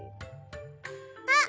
あっ！